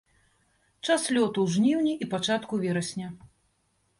Час лёту ў жніўні і пачатку верасня.